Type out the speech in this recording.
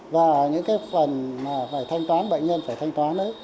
và những cái phần mà phải thanh toán bệnh nhân phải thanh toán đấy